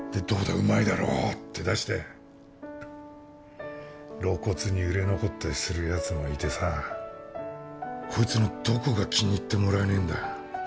「どうだうまいだろう」って出して露骨に売れ残ったりするやつもいてさ「こいつのどこが気に入ってもらえねえんだ」